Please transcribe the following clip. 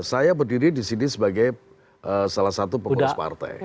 saya berdiri disini sebagai salah satu pengurus partai